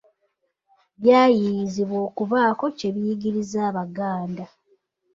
Byayiiyizibwa okubaako kye biyigiriza Abaganda.